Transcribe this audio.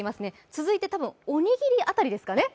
続いてたぶん、おにぎり辺りですかね。